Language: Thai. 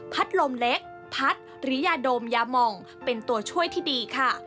ลมเล็กพัดหรือยาดมยามองเป็นตัวช่วยที่ดีค่ะ